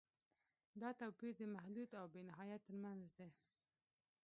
دا توپیر د محدود او بې نهایت تر منځ دی.